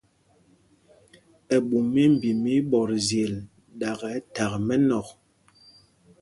Ɛɓu mimbi mɛ íɓɔtzyel, ɗakɛ thak mɛnɔ̂k.